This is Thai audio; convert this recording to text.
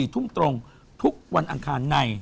๔ทุ่มตรงทุกวันอังคารใน